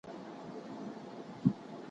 درسونه د زده کوونکي له خوا لوستل کيږي!؟